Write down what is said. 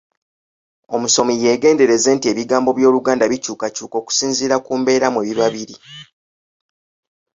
Omusomi yeegendereze nti ebigambo by’Oluganda bikyukakyuka okusinziira ku mbeera mwe biba biri.